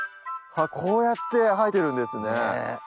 こうやって生えてるんですね。